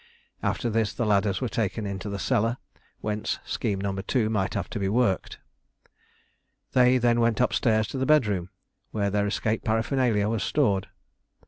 After this the ladders were taken into the cellar, whence scheme No. 2 might have to be worked. They then went upstairs to the bedroom, where their escape paraphernalia was stored.